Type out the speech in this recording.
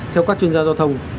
theo các chuyên gia giao thông